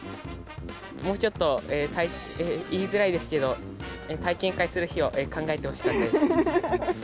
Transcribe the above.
もうちょっと、言いづらいですけど、体験会する日を考えてほしかったです。